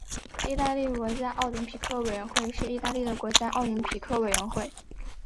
意大利国家奥林匹克委员会是意大利的国家奥林匹克委员会。